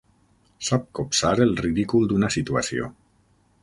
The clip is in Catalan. Sap copsar el ridícul d'una situació.